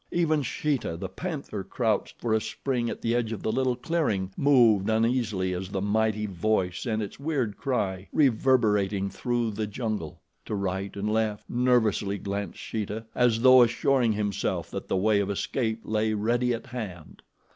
Even Sheeta, the panther, crouched for a spring at the edge of the little clearing, moved uneasily as the mighty voice sent its weird cry reverberating through the jungle. To right and left, nervously, glanced Sheeta, as though assuring himself that the way of escape lay ready at hand.